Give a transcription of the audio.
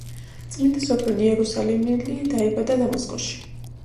წმინდა სოფრონ იერუსალიმელი დაიბადა დამასკოში.